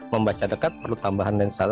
membaca dekat perlu tambahan lensa